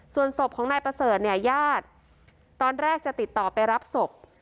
ส่วนศพของนายประเสริฐเนี่ยญาติตอนแรกจะติดต่อไปรับศพ